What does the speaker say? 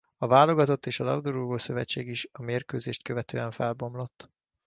A válogatott és a labdarúgó-szövetség is a mérkőzést követően felbomlott.